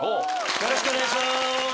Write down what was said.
よろしくお願いします。